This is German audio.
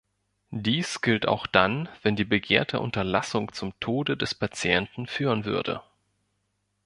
Dies gilt auch dann, wenn die begehrte Unterlassung zum Tode des Patienten führen würde.